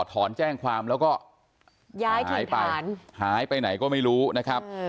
ถอนแจ้งความแล้วก็ย้ายไปหายไปไหนก็ไม่รู้นะครับ